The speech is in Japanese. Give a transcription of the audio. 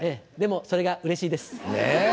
でもそれがうれしいです。ねぇ。